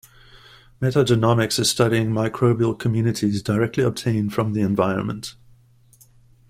Metagenomics is studying microbial communities directly obtained from environment.